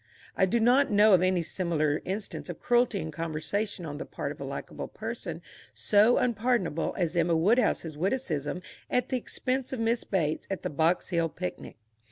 I do not know of any similar instance of cruelty in conversation on the part of a likeable person so unpardonable as Emma Woodhouse's witticism at the expense of Miss Bates at the Box Hill picnic.